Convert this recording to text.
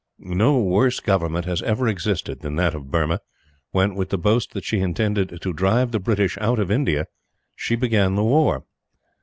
No worse government has ever existed than that of Burma when, with the boast that she intended to drive the British out of India, she began the war.